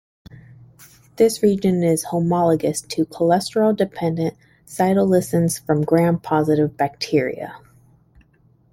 This region is homologous to cholesterol-dependent cytolysins from Gram-positive bacteria.